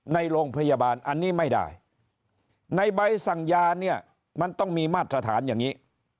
ในโรงพยาบาลอันนี้ไม่ได้ในใบสั่งยาเนี่ยมันต้องมีมาตรฐานอย่างนี้